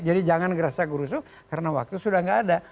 jadi jangan geras takurusuh karena waktu sudah gak ada